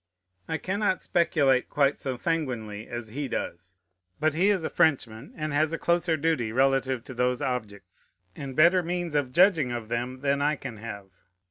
I cannot speculate quite so sanguinely as he does: but he is a Frenchman, and has a closer duty relative to those objects, and better means of judging of them, than I can have.